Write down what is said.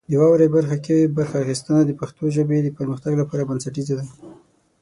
د واورئ برخه کې برخه اخیستنه د پښتو ژبې د پرمختګ لپاره بنسټیزه ده.